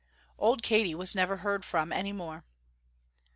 Old Katy was never heard from any more.